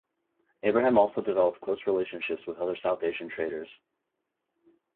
Abraham also developed close relationships with other South Asian traders.